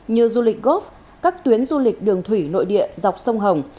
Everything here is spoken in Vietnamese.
như du lịch góp các tuyến du lịch đường thủy nội địa dọc sông hồng